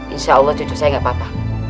insya allah cucu saya gak apa apa